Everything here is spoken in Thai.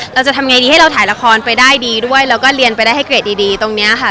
เราจะทำไงดีให้เราถ่ายละครไปได้ดีด้วยแล้วก็เรียนไปได้ให้เกรดดีตรงนี้ค่ะ